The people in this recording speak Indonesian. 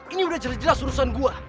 ini udah jelas jelas urusan gue